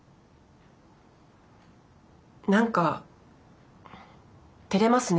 何かてれますね。